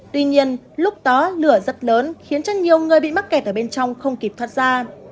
tuy nhiên lúc đó lửa rất lớn khiến cho nhiều người bị mắc kẹt ở bên trong không kịp thoát ra